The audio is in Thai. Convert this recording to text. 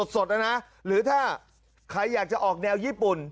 สดนะนะหรือถ้าใครอยากจะออกแนวญี่ปุ่น